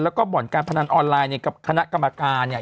แล้วก็บ่อนการพนันออนไลน์ในกับคณะกรรมการเนี่ย